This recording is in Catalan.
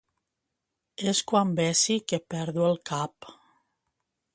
És quan besi que perdo el cap.